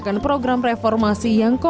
pandemik kami bakea kristen seratus the